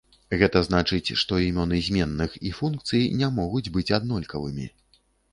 Гэта значыць, што імёны зменных і функцый не могуць быць аднолькавымі.